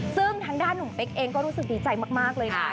ซึ่งทางด้านหนุ่มเป๊กเองก็รู้สึกดีใจมากเลยนะ